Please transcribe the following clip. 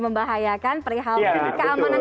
membahayakan perihal keamanan